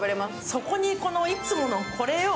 そこにいつものこれよ！